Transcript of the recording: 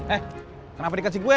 eh kenapa dikejing gue